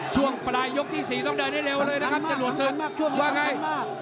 ช่วงปลายยกที่๔ต้องเดินได้เร็วเลยนะครับจรวดศึกว่าไง